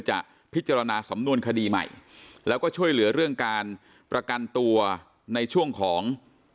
จะพิจารณาสำนวนคดีใหม่แล้วก็ช่วยเหลือเรื่องการประกันตัวในช่วงของ